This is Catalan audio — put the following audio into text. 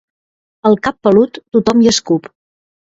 Al cap pelut, tothom hi escup.